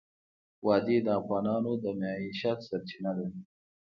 وادي د افغانانو د معیشت سرچینه ده.